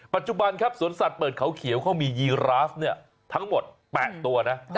ปัจจุบันครับสวนสัตว์เปิดเขาเขียวเขามียีราฟทั้งหมด๘ตัวนะ